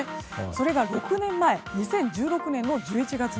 それが６年前２０１６年の１１月２４日。